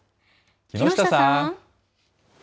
木下さん。